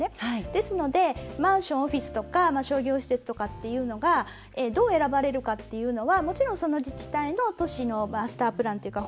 ですのでマンション、オフィスとか商業施設とかっていうのがどう選ばれるかっていうのはもちろん、その自治体の都市のマスタープランというか